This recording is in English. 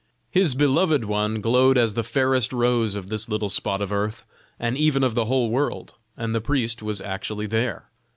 His beloved one glowed as the fairest rose of this little spot of earth, and even of the whole world, and the priest was actually there.